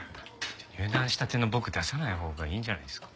入団したての僕出さないほうがいいんじゃないですか？